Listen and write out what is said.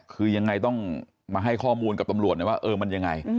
คือยังไงต้องมาให้ข้อมูลกับตำรวจหน่อยว่าเออมันยังไง